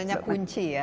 itu sebenarnya kunci ya